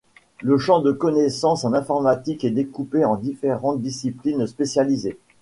Le champ de connaissances en informatique est découpée en différentes disciplines spécialisées.